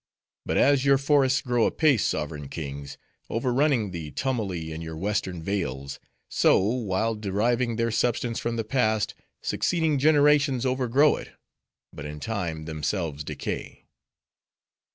But as your forests grow apace, sovereign kings! overrunning the tumuli in your western vales; so, while deriving their substance from the past, succeeding generations overgrow it; but in time, themselves decay.